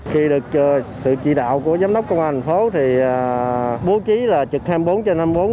khi được sự chỉ đạo của giám đốc công an thành phố thì bố trí là trực hai mươi bốn trên năm mươi bốn